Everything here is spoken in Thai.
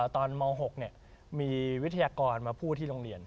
ตอนเมาส์๖เนี่ยมีวิทยากรมาพูดที่โรงเรียน